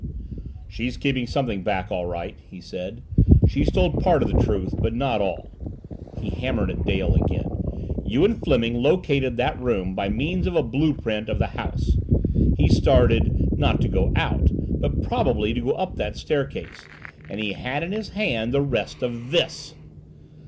"She's keeping something back all right," he said. "She's told part of the truth, but not all." He hammered at Dale again. "You and Fleming located that room by means of a blue print of the house. He started not to go out but, probably, to go up that staircase. And he had in his hand the rest of this!"